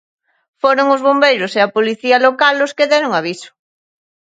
Foron os bombeiros e a Policía Local os que deron aviso.